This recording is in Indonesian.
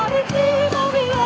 di dalam dada